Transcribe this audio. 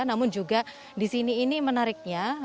namun juga di sini ini menariknya